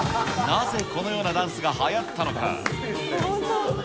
なぜこのようなダンスがはやったのか。